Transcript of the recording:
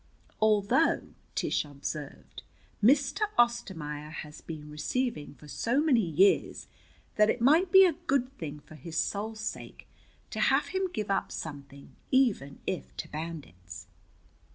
"Although," Tish observed, "Mr. Ostermaier has been receiving for so many years that it might be a good thing, for his soul's sake, to have him give up something, even if to bandits."